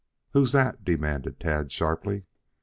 "Who's that?" demanded Tad sharply.